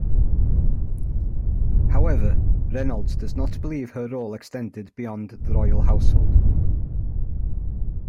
However, Reynolds does not believe her role extended beyond the royal household.